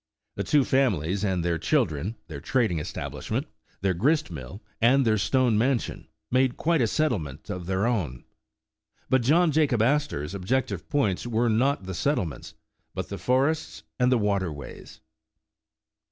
The two families and their children, their trading establishment, their grist mill, and their stone mansion, made quite a settlement of their own. But John Jacob Astor 's ob jective points were not the settlements, but the forests and the water ways.